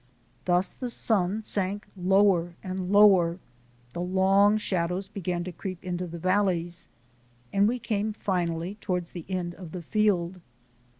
Thus the sun sank lower and lower, the long shadows began to creep into the valleys, and we came finally toward the end of the field.